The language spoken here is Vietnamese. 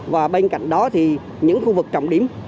và bên cạnh đó thì những khu vực trọng điểm